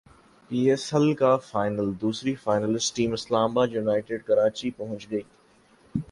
پی S L کا final دوسری finalist team اسلام باد یونائیٹڈ کراچی پہنچ گئی